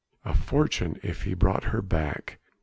A fortune if he brought her back!